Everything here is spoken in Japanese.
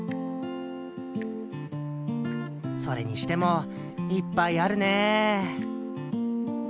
それにしてもいっぱいあるねえ